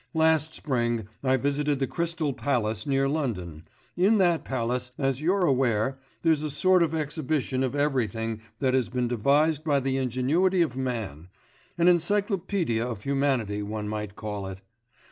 Last spring I visited the Crystal Palace near London; in that Palace, as you're aware, there's a sort of exhibition of everything that has been devised by the ingenuity of man an encyclopædia of humanity one might call it.